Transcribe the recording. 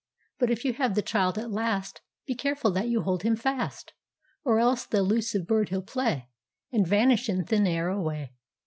But if you have the child at last.Be careful that you hold him fast, Or else th' elusive bird he'll play, And vanish in thin air away.